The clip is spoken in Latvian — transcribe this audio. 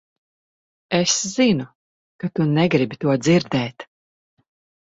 Es zinu, ka tu negribi to dzirdēt.